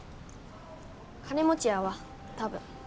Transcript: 金持ちやわ多分。